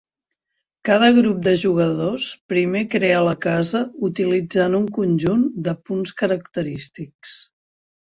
Cada grup de jugadors primer crea la casa utilitzant un conjunt de punts característics.